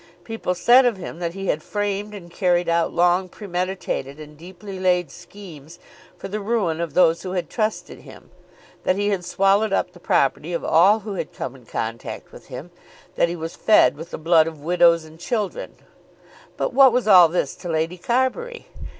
People said of him that he had framed and carried out long premeditated and deeply laid schemes for the ruin of those who had trusted him, that he had swallowed up the property of all who had come in contact with him, that he was fed with the blood of widows and children; but what was all this to Lady Carbury?